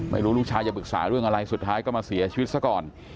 ลูกชายจะปรึกษาเรื่องอะไรสุดท้ายก็มาเสียชีวิตซะก่อน